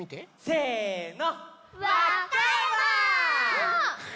せの。